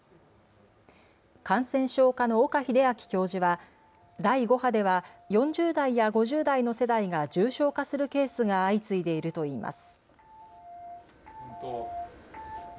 感染症科の岡秀昭教授は第５波では４０代や５０代の世代が重症化するケースが相次いでいるといいます。